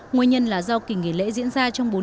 nguyên nhân là do kỳ nghỉ lễ diễn ra trong ngày một tháng năm